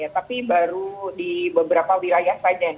tapi baru di beberapa wilayah saja